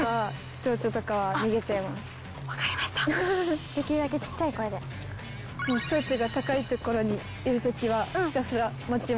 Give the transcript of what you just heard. チョウチョが高い所にいる時はひたすら待ちます。